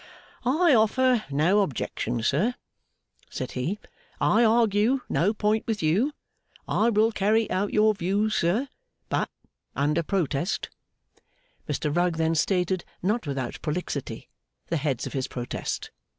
'I offer no objection, sir,' said he, 'I argue no point with you. I will carry out your views, sir; but, under protest.' Mr Rugg then stated, not without prolixity, the heads of his protest.